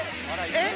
えっ！